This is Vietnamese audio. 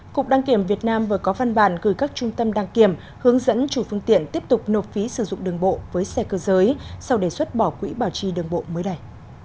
cục đăng kiểm việt nam vừa có văn bản gửi các trung tâm đăng kiểm hướng dẫn chủ phương tiện tiếp tục nộp phí sử dụng đường bộ với xe cơ giới sau đề xuất bỏ quỹ bảo trì đường bộ mới đây